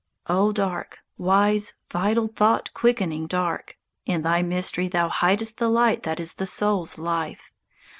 _ O Dark! wise, vital, thought quickening Dark! In thy mystery thou hidest the light That is the soul's life.